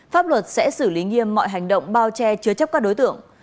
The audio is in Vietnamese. pháp luật sẽ xử lý nghiêm mọi hành động bao che chứa chấp các đối tượng